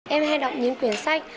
em hay đọc những quyển sách